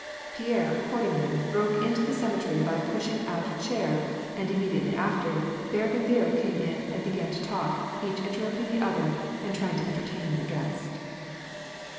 Pierre, ac cordingly, broke into the symmetry by pushing out a chair ; and immediately after, Berg and Viera came in and began to talk, each interrupting the other, and trying to entertain their guest.